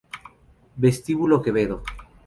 Vestíbulo Quevedo